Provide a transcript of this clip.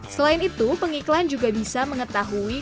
selain itu pengiklan juga bisa menghasilkan data yang lebih efisien